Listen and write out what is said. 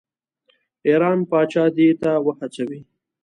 ایران پاچا دې ته وهڅوي.